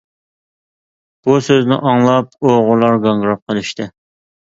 بۇ سۆزنى ئاڭلاپ ئوغرىلار گاڭگىراپ قېلىشتى.